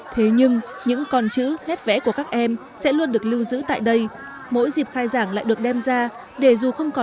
thế nhưng những con trẻ trẻ không có thể làm được